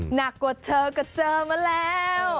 หนักกว่าเธอก็เจอมาแล้ว